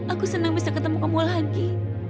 aku senang bisa ketemu kamu lagi